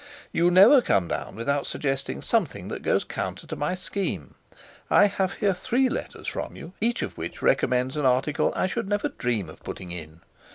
"You never come down without suggesting something that goes counter to my scheme. I have here three letters from you, each of which recommends an article I should never dream of putting in.